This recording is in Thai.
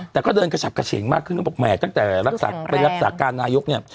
แต่ก็เดินกระฉับกระเฉงมากขึ้นก็บอกแหมตั้งแต่รักษาไปรักษาการนายกเนี่ย